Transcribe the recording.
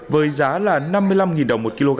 với giá là năm mươi năm đồng một kg